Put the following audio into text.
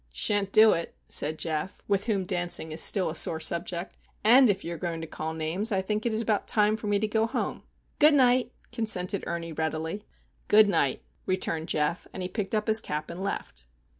"Shan't do it," said Geof, with whom dancing is still a sore subject. "And if you are going to call names, I think it is about time for me to go home." "Good night," consented Ernie, readily. "Good night," returned Geof. And he picked up his cap, and left.